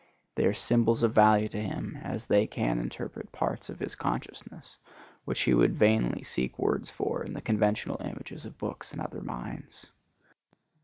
They are symbols of value to him as they can interpret parts of his consciousness which he would vainly seek words for in the conventional images of books and other minds.